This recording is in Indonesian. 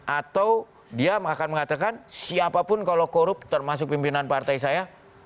atau dia akan mengatakan siapapun kalau korup termasuk pimpinan partai saya